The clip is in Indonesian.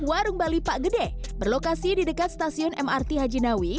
warung bali pak gede berlokasi di dekat stasiun mrt haji nawi